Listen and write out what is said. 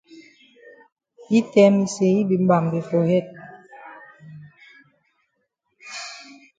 Yi tell me say yi be mbambe for head.